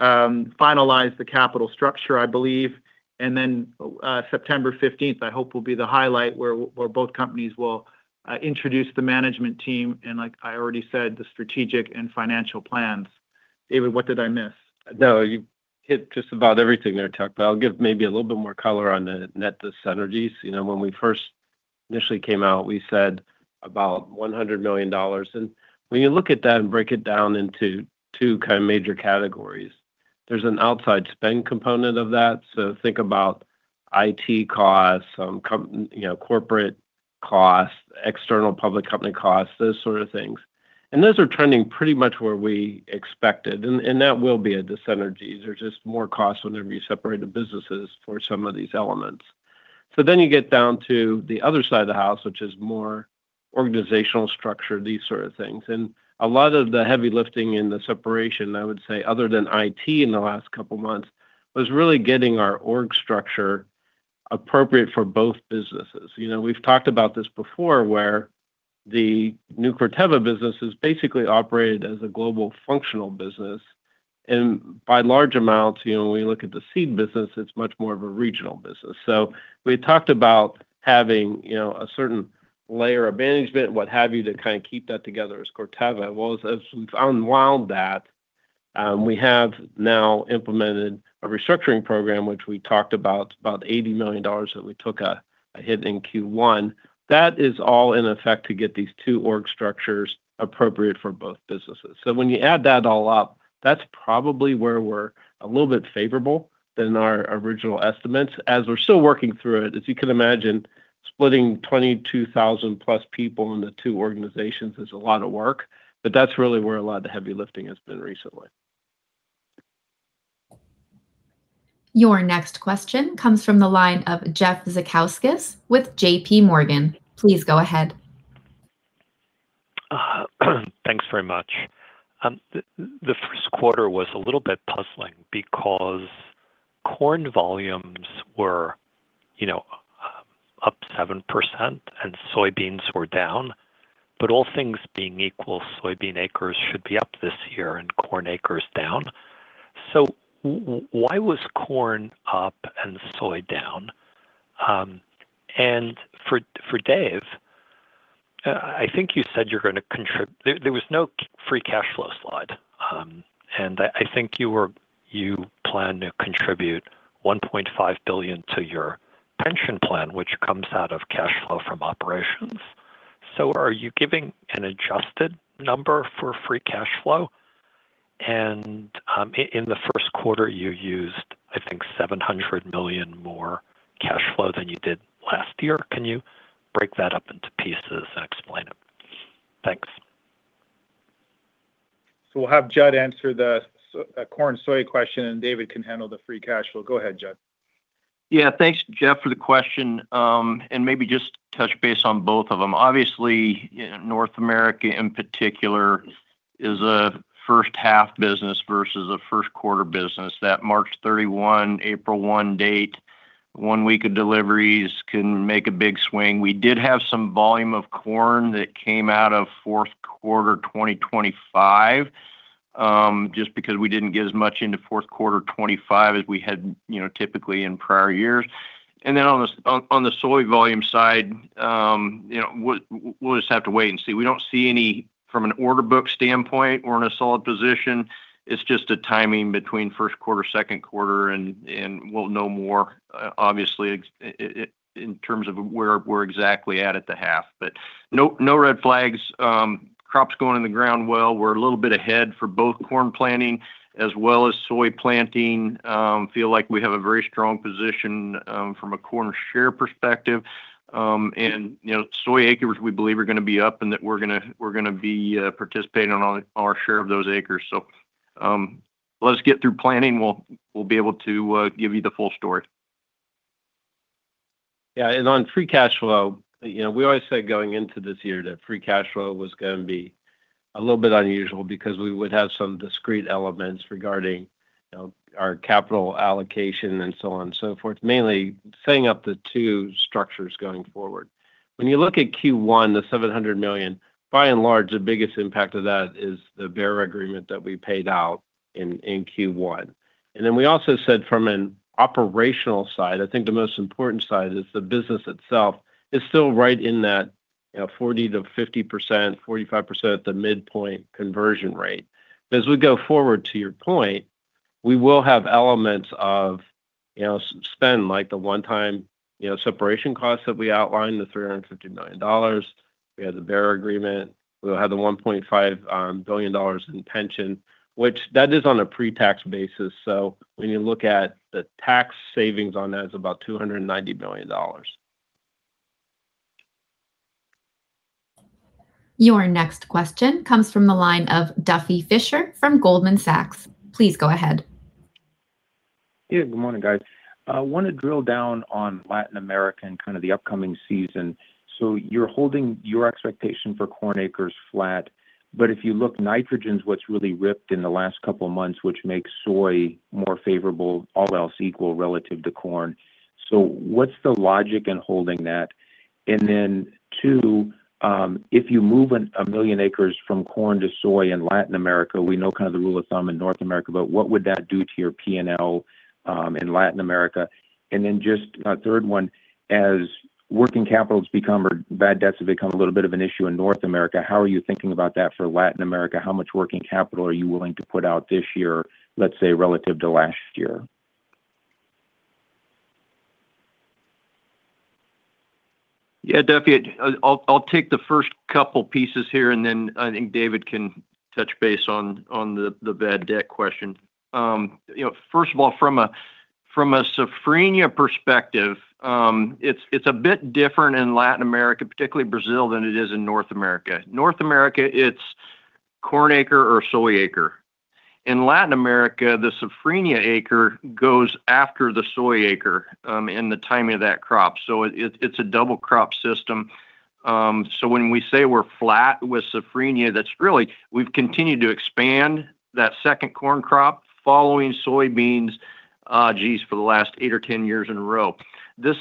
[SPEAKER 3] finalize the capital structure, I believe. September 15th I hope will be the highlight where both companies will introduce the management team, like I already said, the strategic and financial plans. David, what did I miss?
[SPEAKER 4] You hit just about everything there, Chuck. I'll give maybe a little bit more color on the net dis-synergies. You know, when we first initially came out, we said about $100 million. When you look at that and break it down into two kind of major categories, there's an outside spend component of that. Think about IT costs, you know, corporate costs, external public company costs, those sort of things. Those are trending pretty much where we expected, and that will be a dis-synergy. There's just more costs when you separate the businesses for some of these elements. You get down to the other side of the house, which is more organizational structure, these sort of things. A lot of the heavy lifting in the separation, I would say, other than IT in the last couple months, was really getting our org structure appropriate for both businesses. You know, we've talked about this before where the new Corteva business is basically operated as a global functional business. By large amounts, you know, when we look at the Seed business, it's much more of a regional business. We had talked about having, you know, a certain layer of management, what have you, to kind of keep that together as Corteva. Well, as we've unwound that, we have now implemented a restructuring program which we talked about $80 million that we took a hit in Q1. That is all in effect to get these two org structures appropriate for both businesses. When you add that all up, that's probably where we're a little bit favorable than our original estimates as we're still working through it. As you can imagine, splitting 22,000+ people into two organizations is a lot of work. That's really where a lot of the heavy lifting has been recently.
[SPEAKER 1] Your next question comes from the line of Jeff Zekauskas with JPMorgan. Please go ahead.
[SPEAKER 10] Thanks very much. The first quarter was a little bit puzzling because corn volumes were up 7% and soybeans were down. All things being equal, soybean acres should be up this year and corn acres down. Why was corn up and soy down? For David, I think you said you're gonna There, there was no free cash flow slide. I think you plan to contribute $1.5 billion to your pension plan, which comes out of cash flow from operations. Are you giving an adjusted number for free cash flow? In the first quarter, you used, I think, $700 million more cash flow than you did last year. Can you break that up into pieces and explain it? Thanks.
[SPEAKER 3] We'll have Judd answer the corn and soy question, and David can handle the free cash flow. Go ahead, Judd.
[SPEAKER 11] Yeah. Thanks, Jeff, for the question. Maybe just to touch base on both of them. Obviously, North America in particular is a first-half business versus a first-quarter business. That March 31, April 1 date, one week of deliveries can make a big swing. We did have some volume of corn that came out of fourth quarter 2025, just because we didn't get as much into fourth quarter 2025 as we had, you know, typically in prior years. Then on the soy volume side, you know, we'll just have to wait and see. We don't see any from an order book standpoint. We're in a solid position. It's just a timing between first quarter, second quarter. We'll know more, obviously, in terms of where we're exactly at at the half. No red flags. Crops going in the ground well. We're a little bit ahead for both corn planting as well as soy planting. Feel like we have a very strong position from a corn share perspective. You know, soy acres we believe are gonna be up, that we're gonna be participating on our share of those acres. Let us get through planting, we'll be able to give you the full story.
[SPEAKER 4] Yeah. On free cash flow, you know, we always said going into this year that free cash flow was gonna be a little bit unusual because we would have some discrete elements regarding, you know, our capital allocation and so on and so forth, mainly setting up the two structures going forward. When you look at Q1, the $700 million, by and large, the biggest impact of that is the Bayer agreement that we paid out in Q1. Then we also said from an operational side, I think the most important side is the business itself is still right in that, you know, 40%-50%, 45%, the midpoint conversion rate. As we go forward, to your point, we will have elements of, you know, spend like the one-time, you know, separation costs that we outlined, the $350 million. We had the Bayer agreement. We'll have the $1.5 billion in pension, which that is on a pre-tax basis. When you look at the tax savings on that, it's about $290 billion.
[SPEAKER 1] Your next question comes from the line of Duffy Fischer from Goldman Sachs. Please go ahead.
[SPEAKER 12] Yeah. Good morning, guys. I want to drill down on Latin America and kind of the upcoming season. You're holding your expectation for corn acres flat. If you look, nitrogen is what's really ripped in the last couple of months, which makes soy more favorable, all else equal, relative to corn. What's the logic in holding that? And then two, if you move 1,000,000 acres from corn to soy in Latin America, we know kind of the rule of thumb in North America, but what would that do to your P&L in Latin America? Just a third one, as working capital has become or bad debts have become a little bit of an issue in North America, how are you thinking about that for Latin America? How much working capital are you willing to put out this year, let's say, relative to last year?
[SPEAKER 11] Yeah, Duffy, I'll take the first couple pieces here, then I think David can touch base on the bad debt question. You know, first of all, from a Safrinha perspective, it's a bit different in Latin America, particularly Brazil, than it is in North America. North America it's corn acre or soy acre. In Latin America, the Safrinha acre goes after the soy acre in the timing of that crop. It's a double crop system. When we say we're flat with Safrinha, that's really we've continued to expand that second corn crop following soybeans, geez, for the last eight or 10 years in a row. This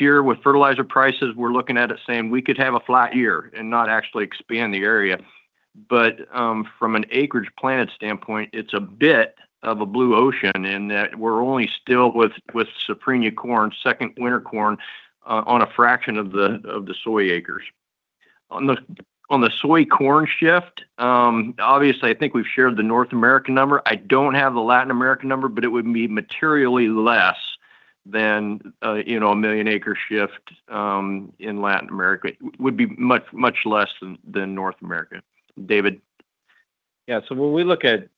[SPEAKER 11] year with fertilizer prices, we're looking at it saying we could have a flat year and not actually expand the area. From an acreage planted standpoint, it's a bit of a blue ocean in that we're only still with Safrinha corn, second winter corn, on a fraction of the, of the soy acres. On the, on the soy corn shift, obviously, I think we've shared the North American number. I don't have the Latin American number, but it would be materially less than, you know, a 1,000,000 acre shift in Latin America. It would be much, much less than North America. David?
[SPEAKER 4] When we look at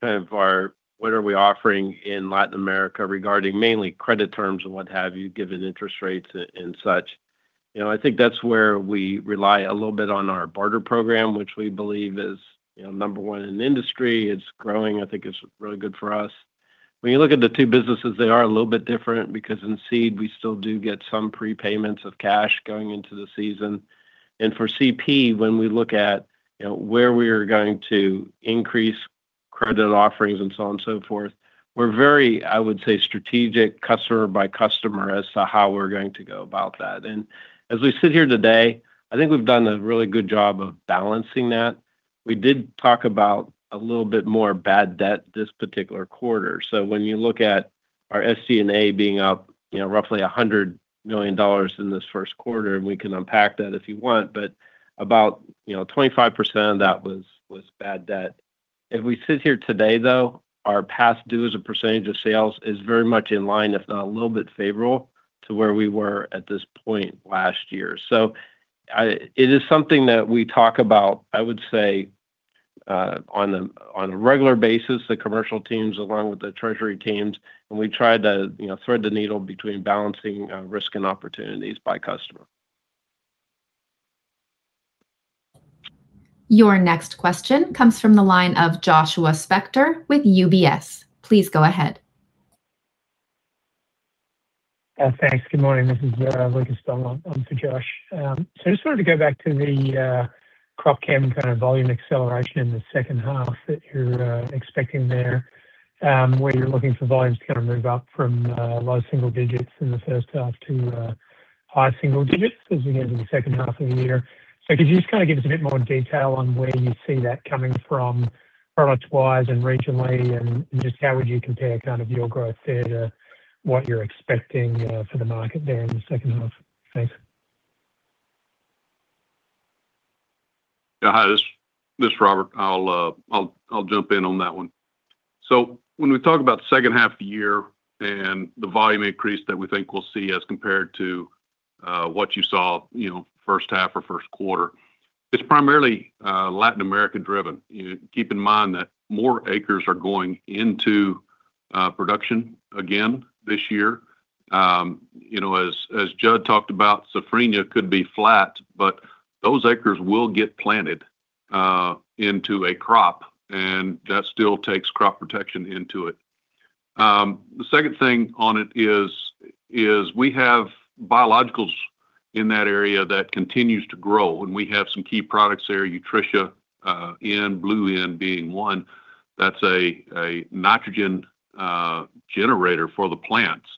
[SPEAKER 4] kind of our what are we offering in Latin America regarding mainly credit terms and what have you, given interest rates and such, you know, I think that's where we rely a little bit on our barter program, which we believe is, you know, number one in the industry. It's growing. I think it's really good for us. When you look at the two businesses, they are a little bit different because in Seed we still do get some prepayments of cash going into the season. For CP, when we look at, you know, where we are going to increase credit offerings and so on and so forth, we're very, I would say, strategic customer by customer as to how we're going to go about that. As we sit here today, I think we've done a really good job of balancing that. We did talk about a little bit more bad debt this particular quarter. When you look at our SG&A being up, you know, roughly $100 million in this first quarter, and we can unpack that if you want, but about, you know, 25% of that was bad debt. If we sit here today, though, our past due as a percentage of sales is very much in line, if not a little bit favorable to where we were at this point last year. It is something that we talk about, I would say, on a regular basis, the commercial teams along with the treasury teams, and we try to, you know, thread the needle between balancing risk and opportunities by customer.
[SPEAKER 1] Your next question comes from the line of Joshua Spector with UBS. Please go ahead.
[SPEAKER 13] Thanks. Good morning. This is Lucas Stone on for Josh. Just wanted to go back to the crop chem kind of volume acceleration in the second half that you're expecting there, where you're looking for volumes to kind of move up from low single digits in the first half to high-single-digits as we get into the second half of the year. Could you just kind of give us a bit more detail on where you see that coming from product wise and regionally, and just how would you compare kind of your growth there to what you're expecting for the market there in the second half? Thanks.
[SPEAKER 14] Yeah. Hi, this is Robert. I'll jump in on that one. When we talk about the second half of the year and the volume increase that we think we'll see as compared to what you saw, you know, first half or first quarter, it's primarily Latin America driven. Keep in mind that more acres are going into production again this year. You know, as Judd talked about, Safrinha could be flat, but those acres will get planted into a crop, and that still takes crop protection into it. The second thing on it is we have biologicals in that area that continues to grow, and we have some key products there, Utrisha N, BlueN being one. That's a nitrogen generator for the plants.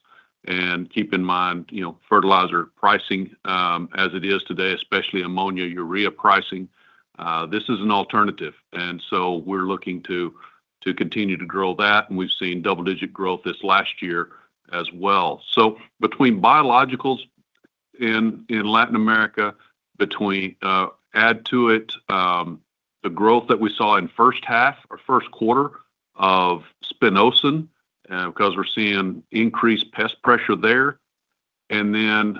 [SPEAKER 14] Keep in mind, you know, fertilizer pricing, as it is today, especially ammonia, urea pricing, this is an alternative. We're looking to continue to grow that, and we've seen double-digit growth this last year as well. Between biologicals in Latin America, between, add to it, the growth that we saw in first half or first quarter of spinosyn, because we're seeing increased pest pressure there, then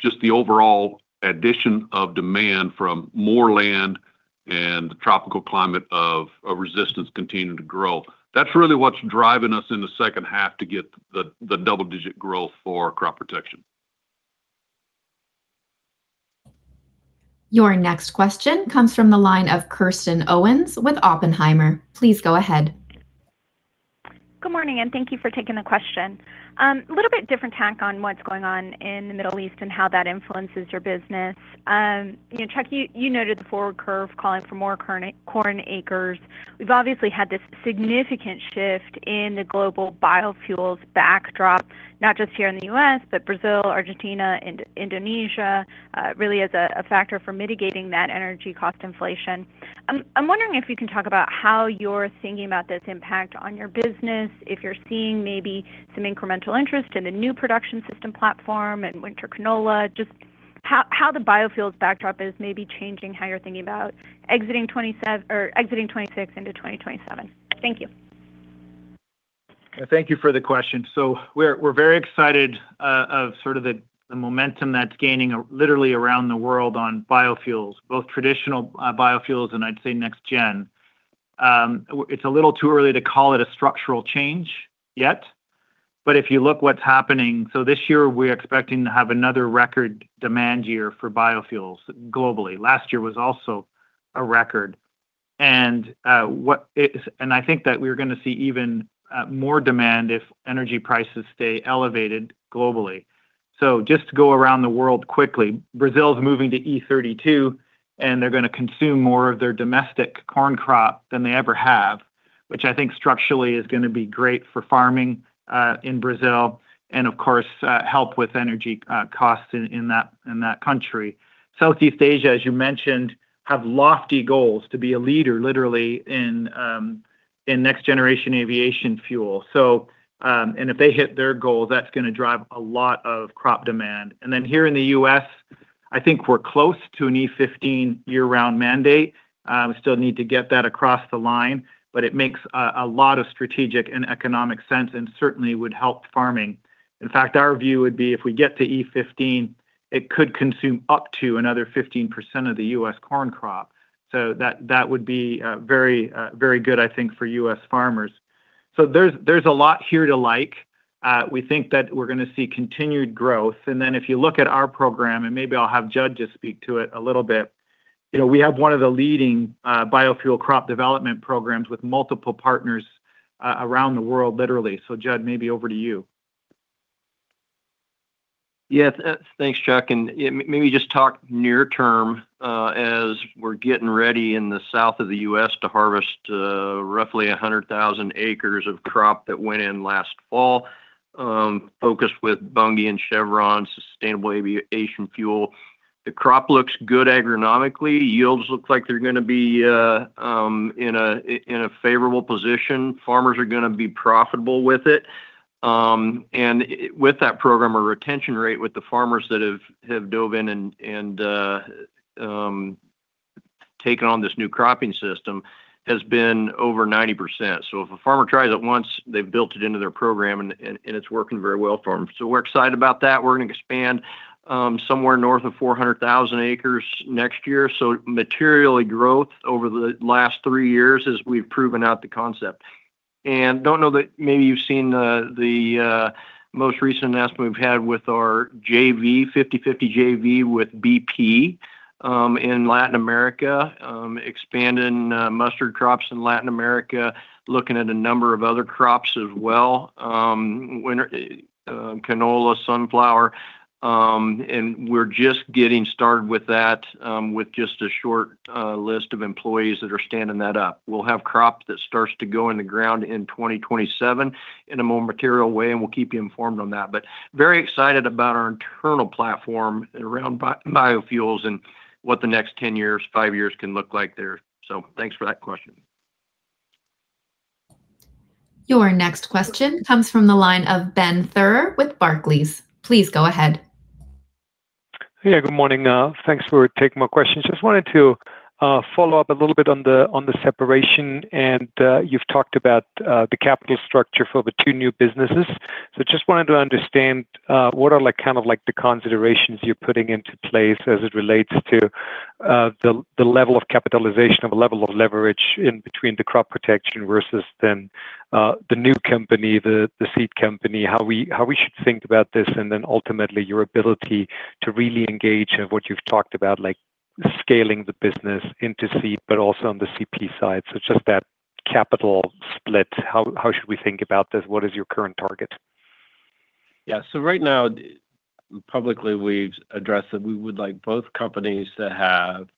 [SPEAKER 14] just the overall addition of demand from more land and the tropical climate of resistance continuing to grow. That's really what's driving us in the second half to get the double-digit growth for crop protection.
[SPEAKER 1] Your next question comes from the line of Kristen Owen with Oppenheimer. Please go ahead.
[SPEAKER 15] Good morning, and thank you for taking the question. A little bit different tack on what's going on in the Middle East and how that influences your business. You know, Chuck, you noted the forward curve calling for more current corn acres. We've obviously had this significant shift in the global biofuels backdrop, not just here in the U.S., but Brazil, Argentina and Indonesia, really as a factor for mitigating that energy cost inflation. I'm wondering if you can talk about how you're thinking about this impact on your business, if you're seeing maybe some incremental interest in the new production system platform and winter canola. Just how the biofuels backdrop is maybe changing how you're thinking about exiting 2026 into 2027. Thank you.
[SPEAKER 3] Thank you for the question. We're very excited of sort of the momentum that's gaining literally around the world on biofuels, both traditional biofuels and I'd say next gen. It's a little too early to call it a structural change yet. If you look what's happening this year we're expecting to have another record demand year for biofuels globally. Last year was also a record. I think that we're gonna see even more demand if energy prices stay elevated globally. Just to go around the world quickly, Brazil is moving to E32, and they're going to consume more of their domestic corn crop than they ever have, which I think structurally is going to be great for farming in Brazil and of course, help with energy costs in that country. Southeast Asia, as you mentioned, have lofty goals to be a leader, literally, in next generation aviation fuel. If they hit their goal, that's going to drive a lot of crop demand. Here in the U.S., I think we're close to an E15 year-round mandate. We still need to get that across the line, but it makes a lot of strategic and economic sense and certainly would help farming. In fact, our view would be if we get to E15, it could consume up to another 15% of the U.S. corn crop. That would be very, very good, I think, for U.S. farmers. There's a lot here to like. We think that we're gonna see continued growth. If you look at our program, and maybe I'll have Judd just speak to it a little bit, you know, we have one of the leading biofuel crop development programs with multiple partners around the world, literally. Judd, maybe over to you.
[SPEAKER 11] Yeah. Thanks, Chuck. Maybe just talk near term, as we're getting ready in the south of the U.S. to harvest, roughly 100,000 acres of crop that went in last fall, focused with Bunge and Chevron sustainable aviation fuel. The crop looks good agronomically. Yields look like they're going to be in a favorable position. Farmers are going to be profitable with it. With that program, our retention rate with the farmers that have dove in and taken on this new cropping system has been over 90%. If a farmer tries it once, they've built it into their program and it's working very well for them. We're excited about that. We're going to expand somewhere north of 400,000 acres next year. Materially growth over the last three years as we've proven out the concept. Don't know that maybe you've seen the most recent announcement we've had with our JV, 50/50 JV with bp, in Latin America, expanding mustard crops in Latin America, looking at a number of other crops as well, winter canola, sunflower. We're just getting started with that, with just a short list of employees that are standing that up. We'll have crop that starts to go in the ground in 2027 in a more material way, and we'll keep you informed on that. Very excited about our internal platform around biofuels and what the next 10 years, five years can look like there. Thanks for that question.
[SPEAKER 1] Your next question comes from the line of Ben Theurer with Barclays. Please go ahead.
[SPEAKER 16] Yeah, good morning. Thanks for taking my question. Just wanted to follow up a little bit on the, on the separation. You've talked about the capital structure for the two new businesses. Just wanted to understand what are like kind of like the considerations you're putting into place as it relates to the level of capitalization or level of leverage in between the Crop Protection versus then, the new company, the seed company, how we, how we should think about this, and then ultimately your ability to really engage in what you've talked about, like scaling the business into Seed, but also on the CP side. Just that capital split. How, how should we think about this? What is your current target?
[SPEAKER 4] Yeah. Right now, publicly, we've addressed that we would like both companies to have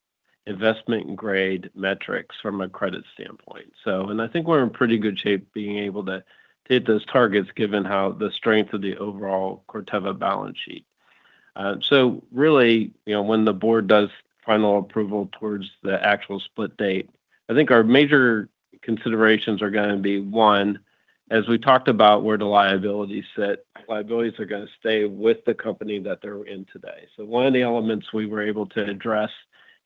[SPEAKER 4] investment-grade metrics from a credit standpoint. I think we're in pretty good shape being able to hit those targets given how the strength of the overall Corteva balance sheet. Really, you know, when the board does final approval towards the actual split date, I think our major considerations are gonna be, one, as we talked about where the liabilities sit, liabilities are gonna stay with the company that they're in today. One of the elements we were able to address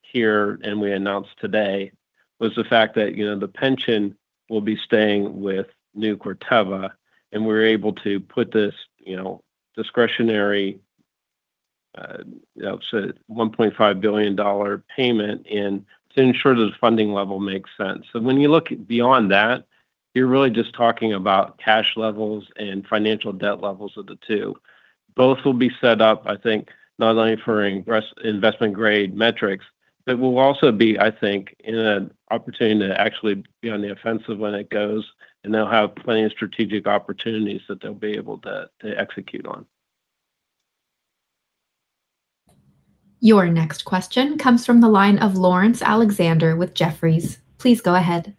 [SPEAKER 4] here and we announced today was the fact that, you know, the pension will be staying with new Corteva, and we're able to put this, you know, discretionary, I would say $1.5 billion payment in to ensure the funding level makes sense. When you look beyond that, you're really just talking about cash levels and financial debt levels of the two. Both will be set up, I think, not only for investment grade metrics. It will also be, I think, an opportunity to actually be on the offensive when it goes, and they'll have plenty of strategic opportunities that they'll be able to execute on.
[SPEAKER 1] Your next question comes from the line of Laurence Alexander with Jefferies. Please go ahead.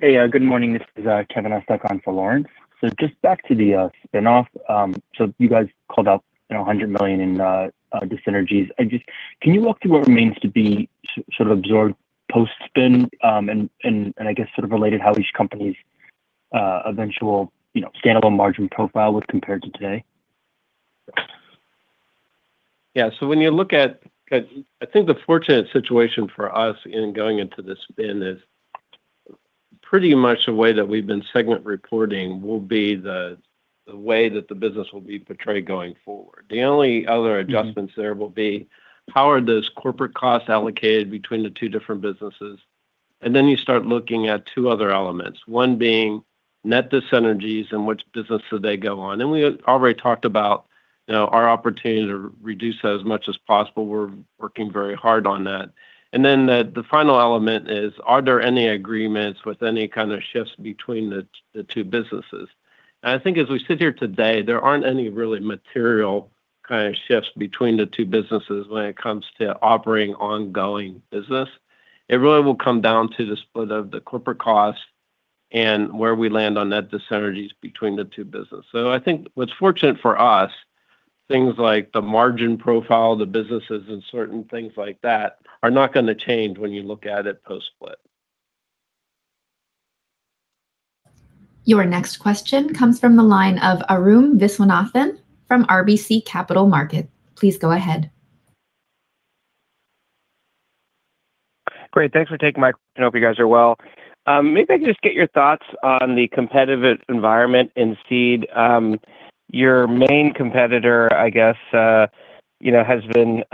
[SPEAKER 17] Hey, good morning. This is Kevin. I stepped on for Laurence. Just back to the spin-off. You guys called out, you know, $100 million in dis-synergies. Just, can you walk through what remains to be sort of absorbed post-spin? And I guess sort of related how each company's, you know, eventual standalone margin profile would compare to today?
[SPEAKER 4] Yeah. When you look at 'Cause I think the fortunate situation for us in going into the spin is pretty much the way that we've been segment reporting will be the way that the business will be portrayed going forward. The only other adjustments there will be how are those corporate costs allocated between the two different businesses. Then you start looking at two other elements. One being net dis-synergies and which business do they go on. We had already talked about, you know, our opportunity to reduce that as much as possible. We're working very hard on that. Then the final element is, are there any agreements with any kind of shifts between the two businesses? I think as we sit here today, there aren't any really material kind of shifts between the two businesses when it comes to operating ongoing business. It really will come down to the split of the corporate cost and where we land on net dis-synergies between the two businesses. I think what's fortunate for us, things like the margin profile of the businesses and certain things like that are not gonna change when you look at it post-split.
[SPEAKER 1] Your next question comes from the line of Arun Viswanathan from RBC Capital Market. Please go ahead.
[SPEAKER 18] Great. Thanks for taking my call. I hope you guys are well. Maybe I can just get your thoughts on the competitive environment in seed. Your main competitor I guess, you know, has been,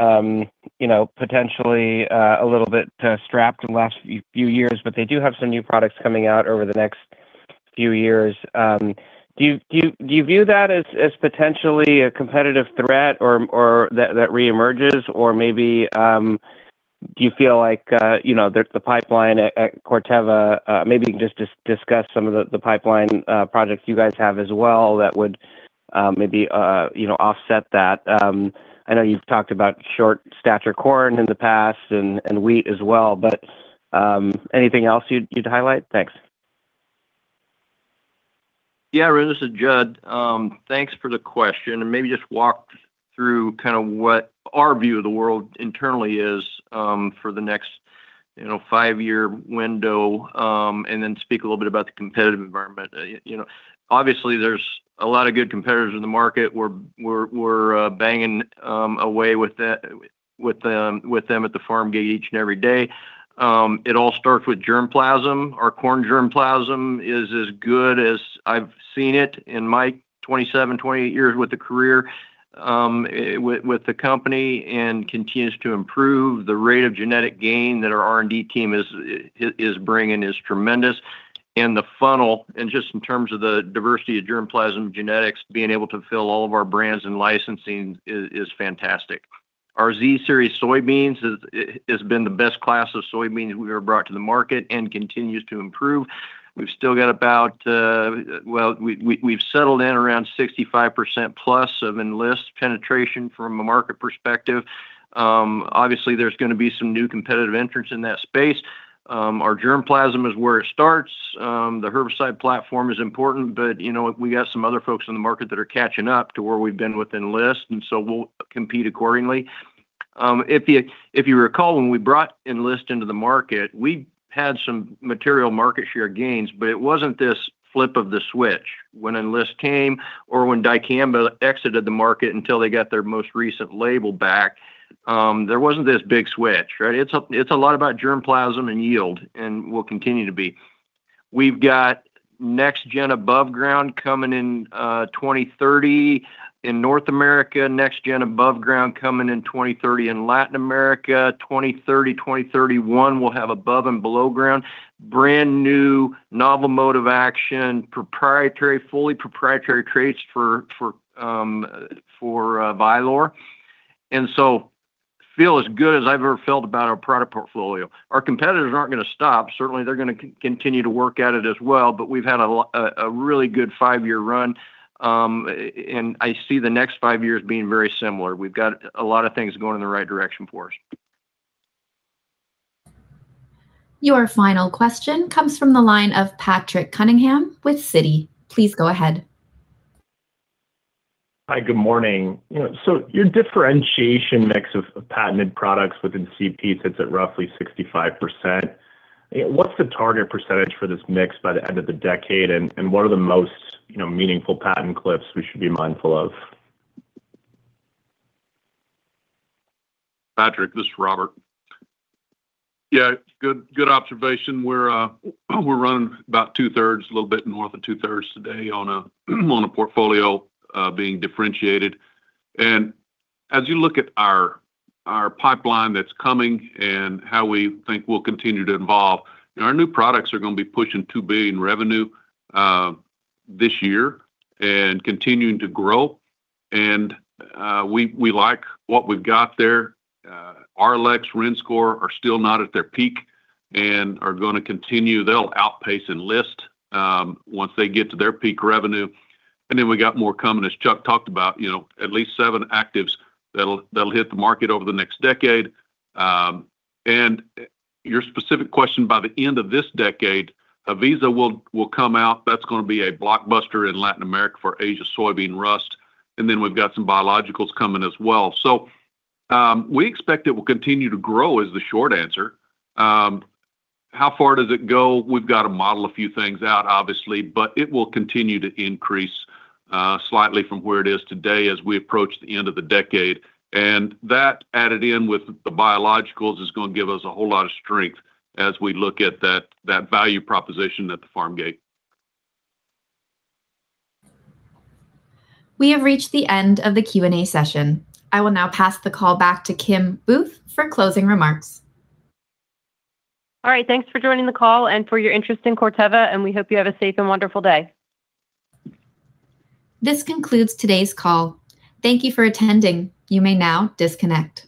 [SPEAKER 18] you know, potentially a little bit strapped in the last few years, but they do have some new products coming out over the next few years. Do you view that as potentially a competitive threat or that reemerges? Or maybe, do you feel like, you know, there's the pipeline at Corteva. Maybe you can just discuss some of the pipeline projects you guys have as well that would maybe, you know, offset that. I know you've talked about short stature corn in the past and wheat as well, but anything else you'd highlight? Thanks.
[SPEAKER 11] Yeah. Arun, this is Judd. Thanks for the question, and maybe just walk through kind of what our view of the world internally is for the next, you know, five-year window, then speak a little bit about the competitive environment. You know, obviously there's a lot of good competitors in the market. We're banging away with that, with with them at the farm gate each and every day. It all starts with germplasm. Our corn germplasm is as good as I've seen it in my 27, 28 years with the career with the company, continues to improve. The rate of genetic gain that our R&D team is bringing is tremendous. The funnel, and just in terms of the diversity of germplasm genetics, being able to fill all of our brands and licensing is fantastic. Our Z-Series soybeans has been the best class of soybeans we ever brought to the market and continues to improve. We've still got about, well, we've settled in around 65%+ of Enlist penetration from a market perspective. Obviously there's gonna be some new competitive entrants in that space. Our germplasm is where it starts. The herbicide platform is important, but you know what? We got some other folks in the market that are catching up to where we've been with Enlist, we'll compete accordingly. If you recall, when we brought Enlist into the market, we had some material market share gains, but it wasn't this flip of the switch. When Enlist came or when dicamba exited the market until they got their most recent label back, there wasn't this big switch, right? It's a lot about germplasm and yield, and will continue to be. We've got next gen above ground coming in 2030 in North America. Next gen above ground coming in 2030 in Latin America. 2030, 2031, we'll have above and below ground. Brand-new novel mode of action, proprietary, fully proprietary traits for Vylor. Feel as good as I've ever felt about our product portfolio. Our competitors aren't gonna stop. Certainly, they're gonna continue to work at it as well, but we've had a really good five-year run. I see the next five years being very similar. We've got a lot of things going in the right direction for us.
[SPEAKER 1] Your final question comes from the line of Patrick Cunningham with Citi. Please go ahead.
[SPEAKER 19] Hi. Good morning. You know, your differentiation mix of patented products within CP sits at roughly 65%. What's the target percentage for this mix by the end of the decade? What are the most, you know, meaningful patent cliffs we should be mindful of?
[SPEAKER 14] Patrick, this is Robert. Yeah, good observation. We're running about 2/3, a little bit north of 2/3 today on a portfolio being differentiated. As you look at our pipeline that's coming and how we think we'll continue to evolve, our new products are gonna be pushing $2 billion revenue this year and continuing to grow. We like what we've got there. Arylex, Rinskor are still not at their peak and are gonna continue. They'll outpace Enlist once they get to their peak revenue. We got more coming, as Chuck talked about, you know, at least seven actives that'll hit the market over the next decade. Your specific question, by the end of this decade, Haviza will come out. That's gonna be a blockbuster in Latin America for Asian soybean rust. We've got some biologicals coming as well. We expect it will continue to grow, is the short answer. How far does it go? We've got to model a few things out, obviously. It will continue to increase slightly from where it is today as we approach the end of the decade. That added in with the biologicals is gonna give us a whole lot of strength as we look at that value proposition at the farm gate.
[SPEAKER 1] We have reached the end of the Q&A session. I will now pass the call back to Kim Booth for closing remarks.
[SPEAKER 2] All right. Thanks for joining the call and for your interest in Corteva, and we hope you have a safe and wonderful day.
[SPEAKER 1] This concludes today's call. Thank you for attending. You may now disconnect.